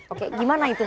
oke gimana itu